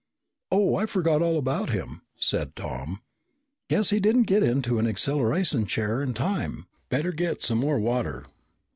"Oh, I forgot all about him," said Tom. "Guess he didn't get into an acceleration chair in time. Better get some more water."